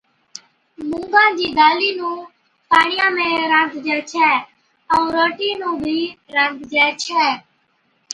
مُونگا چِي دالِي نُون پاڻِيا ۾ رانڌجَي ڇَي ائُون روٽِي بِي رانڌجَي ڇَي